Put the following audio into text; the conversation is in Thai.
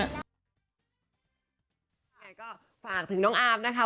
เราก็ฝากถึงน้องอามนะคะว่าพี่แจ้งกรีน